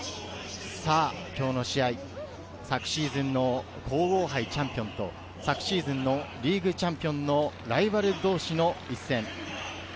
今日の試合、昨シーズンの皇后杯チャンピオンと昨シーズンのリーグチャンピオンのライバル同士の一戦。